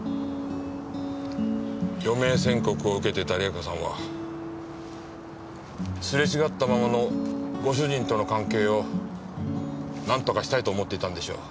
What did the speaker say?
余命宣告を受けていた玲香さんはすれ違ったままのご主人との関係をなんとかしたいと思っていたんでしょう。